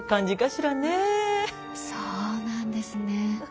そうなんですね。